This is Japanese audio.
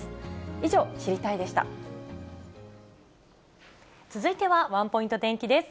以上、続いてはワンポイント天気です。